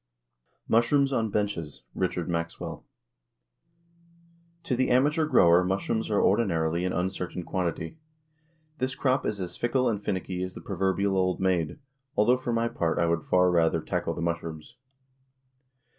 MUSHROOMS ON BENCHES. RICHARD MAXWELL. To the amateur grower mushrooms are ordinarily an uncertain quantity. This crop is as fickle and finicky as the proverbial old maid although, for my part, I would far rather tackle the mushrooms.